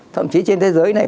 thậm chí trên thế giới này